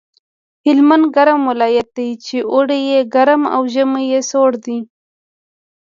هلمند ګرم ولایت دی چې اوړی یې ګرم او ژمی یې سوړ دی